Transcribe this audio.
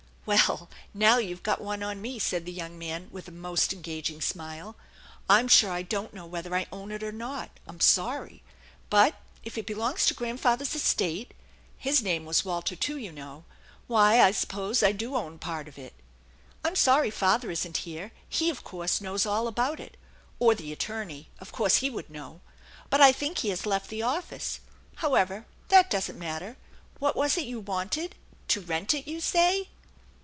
"" Well, now you've got one on me/' said the young man with a most engaging smile. " I'm sure I don't know whether I own it or not. I'm sorry. But if it belongs to grandfather's estate, his name was Walter, too, you knoi". why, I sup pose I do own part of it. I'm sorry father isn't here. He of course knows all about it or the attorney of course he would know. But I think he has left the office. However, that doesn't matter. What was it you wanted? To rent it, you say